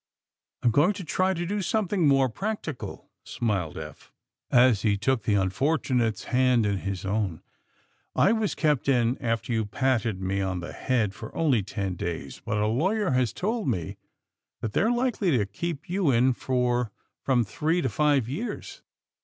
^^I'm going to try to do something more practical, '' smiled Eph, as he took the unfor tunate 's hand in his own. ^^I was kept in, after you patted me on the head, for only ten days, but a lawyer has told me that they're likely to keep you in for from three to fiYe years.